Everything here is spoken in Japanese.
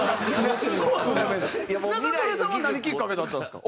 仲宗根さんは何きっかけだったんですか？